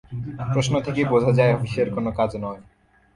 প্রশ্ন থেকেই বোঝা যায় অফিসের কোনো কাজ নয়।